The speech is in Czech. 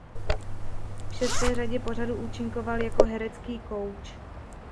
V šesté řadě pořadu účinkoval jako herecký kouč.